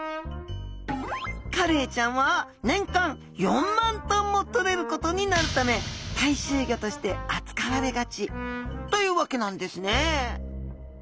カレイちゃんは年間４万トンもとれることになるため大衆魚として扱われがちというわけなんですね。